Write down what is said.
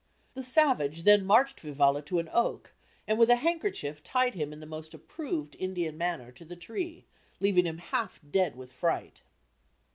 The savage then marched Vivalla to an oak and with a handkerchief tied him in the most approved Indian manner to the tree, leaving him half dead with fright.